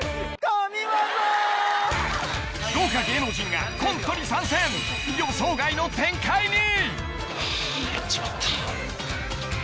豪華芸能人がコントに参戦予想外の展開に！